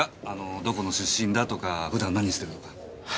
どこの出身だとか普段何してるとか。